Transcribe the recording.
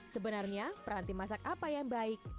sebenarnya peranti masak apa yang baik